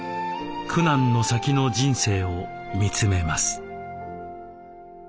苦難の先の人生を見つめます。